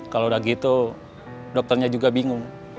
kalau udah gitu dokternya juga bingung